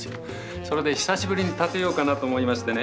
それで久しぶりにたてようかなと思いましてね。